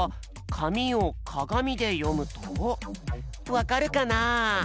わかるかなあ？